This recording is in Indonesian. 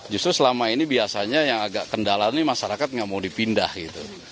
justru selama ini biasanya yang agak kendala ini masyarakat nggak mau dipindah gitu